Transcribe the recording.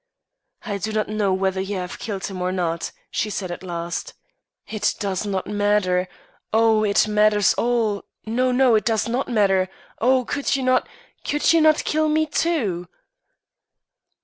"I do not know whether you have killed him or not," she said at last. "It does not matter oh! it matters all no, no, it does not matter Oh! could you not could you not kill me too?"